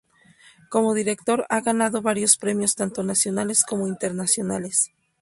Como director ha ganado varios premios tanto nacionales como internacionales.